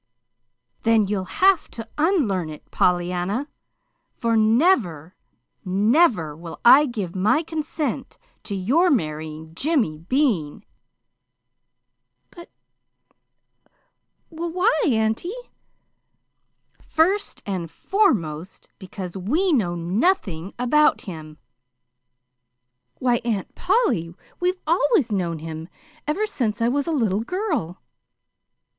"Then you'll have to unlearn it, Pollyanna, for never, never will I give my consent to your marrying Jimmy Bean." "But w why, auntie?" "First and foremost because we know nothing about him." "Why, Aunt Polly, we've always known him, ever since I was a little girl!"